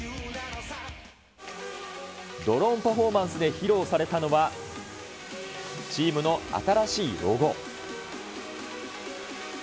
ドローンパフォーマンスで披露されたのは、チームの新しいロゴ。